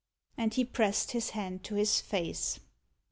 And he pressed his hand to his face.